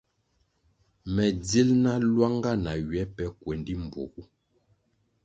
Me dzil na luanga na ywe pe kuendi mbpuogu.